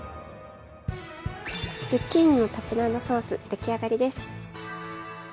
「ズッキーニのタプナードソース」できあがりです。